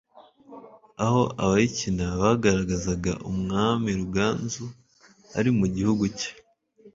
aho abayikina bagaragazaga Umwami Ruganzu ari mu gihugu cye